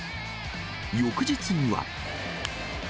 翌日には。